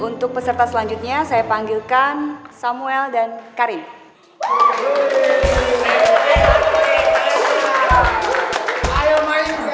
untuk peserta selanjutnya saya panggilkan samuel dan karim